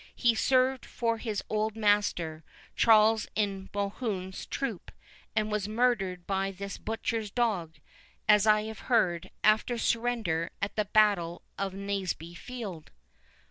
He served for his old master, Charles, in Mohun's troop, and was murdered by this butcher's dog, as I have heard, after surrender, at the battle of Naseby field."